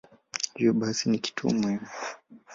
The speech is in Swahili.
Hivyo basi ni kituo muhimu.